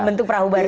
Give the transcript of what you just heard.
bentuk perahu baru